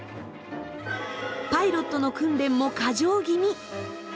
パイロットの訓練も過剰ぎみ。